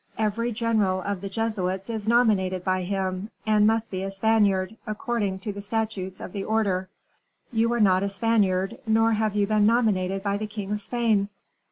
Every general of the Jesuits is nominated by him, and must be a Spaniard, according to the statutes of the order. You are not a Spaniard, nor have you been nominated by the king of Spain."